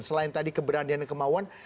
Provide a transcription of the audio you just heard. selain tadi keberanian dan kemauan